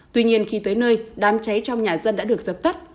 tuy nhiên khi tới nơi đám cháy trong nhà dân đã được dập tắt